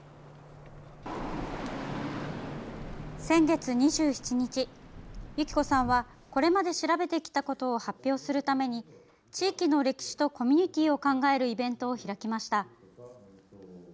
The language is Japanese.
先月２７日由起子さんはこれまで調べてきたことを発表するために地域の歴史とコミュニティーを考えるイベントを開きました。